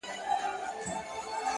خداى دي له بدوسترگو وساته تل’